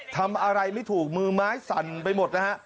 ทำอะไรไม่ถูกมือไม้สั่นไปหมดนะฮะ